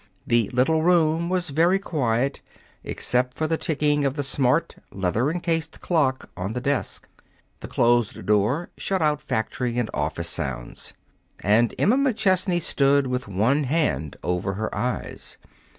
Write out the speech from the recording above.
The little room was very quiet except for the ticking of the smart, leather encased clock on the desk. The closed door shut out factory and office sounds. And Emma McChesney stood with one hand over her eyes.